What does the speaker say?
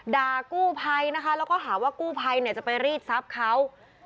ด่ากู้ภัยนะคะแล้วก็หาว่ากู้ภัยจะไปรีดทรัพย์เขา